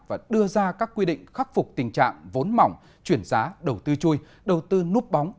và đưa ra các quy định khắc phục tình trạng vốn mỏng chuyển giá đầu tư chui đầu tư núp bóng